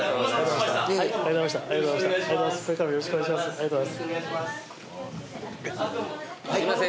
よろしくお願いします。